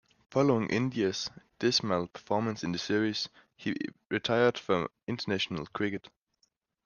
Following India's dismal performance in the series, he retired from international cricket.